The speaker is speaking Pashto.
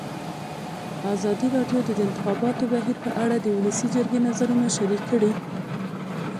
ازادي راډیو د د انتخاباتو بهیر په اړه د ولسي جرګې نظرونه شریک کړي.